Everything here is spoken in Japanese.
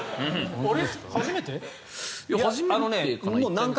あれ？